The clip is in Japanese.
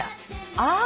ああ。